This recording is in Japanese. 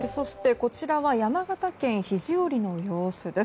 こちらは山形県肘折の様子です。